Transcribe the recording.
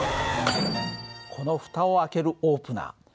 この蓋を開けるオープナー。